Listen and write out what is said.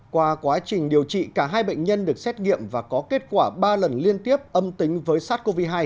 qua quá trình điều trị cả hai bệnh nhân được xét nghiệm và có kết quả ba lần liên tiếp âm tính với sars cov hai